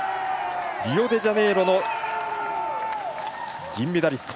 リオデジャネイロの銀メダリスト